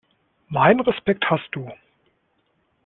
Meinen Respekt hast du.